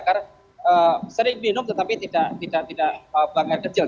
karena sering minum tetapi tidak tidak tidak buang air kecil